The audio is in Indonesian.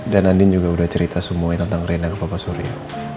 dan andin juga udah cerita semuanya tentang rina ke papa surya